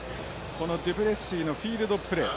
このデュプレシーのフィールドプレー。